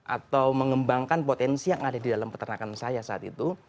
atau mengembangkan potensi yang ada di dalam peternakan saya saat itu